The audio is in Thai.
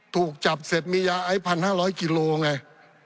ถูกจับเสร็จมียาไอ้๑๕๐๐กิโลไง